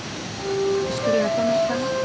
terima kasih om